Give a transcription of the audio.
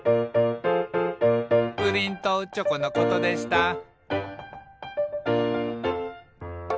「プリンとチョコのことでした」